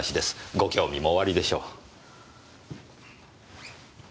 ご興味もおありでしょう。